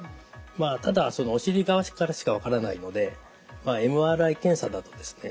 ただお尻側からしか分からないのでＭＲＩ検査だとですね